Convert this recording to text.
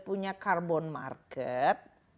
punya carbon market